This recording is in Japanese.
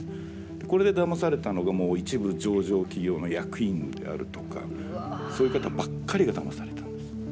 これでだまされたのが一部上場企業の役員であるとかそういう方ばっかりがだまされたんです。